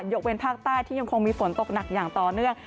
ยกเว้นภาคใต้ที่ยังคงมีฝนตกหนักอย่างต่อเนื่อง